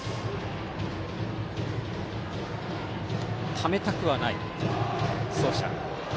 ためたくはない走者。